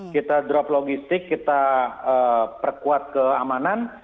kita drop logistik kita perkuat keamanan